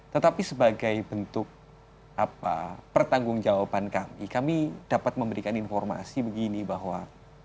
jadi sebagai bentuk pertanggung jawaban kami kami dapat memberikan informasi begini bahwa